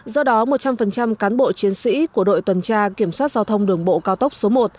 do đó một trăm linh cán bộ chiến sĩ của đội tuần tra kiểm soát giao thông đường bộ cao tốc số một